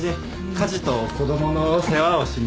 家事と子供の世話をしに。